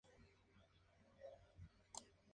Una boya de amarre.